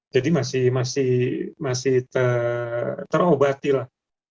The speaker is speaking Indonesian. jadi masih terobati lah